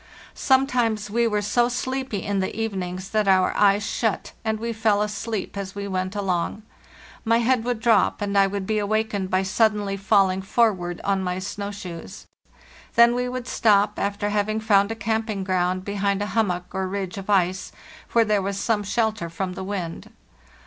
Sometimes we were so sleepy in the evenings that our eyes shut and we fell asleep as we went along. My head would drop, and I would be awakened by suddenly falling forward on my snow shoes. Then we would stop, after having found a camping ground behind a hummock or ridge of ice, where there was some shelter from the wind.